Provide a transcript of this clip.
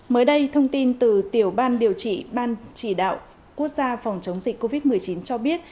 mới đây thông tin từ tiểu ban điều trị ban chỉ đạo quốc gia phòng chống dịch covid một mươi chín cho biết